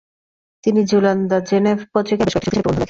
তিনি 'Journal de Geneve’ পত্রিকায় বেশ কয়েকটি শক্তিশালী প্রবন্ধ লেখেন।